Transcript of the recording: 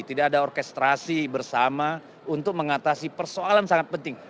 tidak ada orkestrasi bersama untuk mengatasi persoalan sangat penting